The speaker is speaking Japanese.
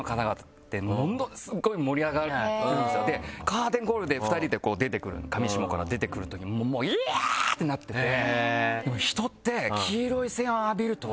でカーテンコールで２人で出てくる上下から出てくるときももう「いや！」ってなってて。